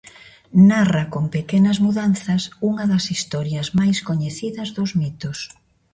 Narra, con pequenas mudanzas, unha das historias máis coñecidas dos mitos.